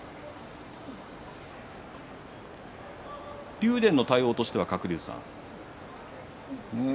竜電の対応としては、鶴竜さん。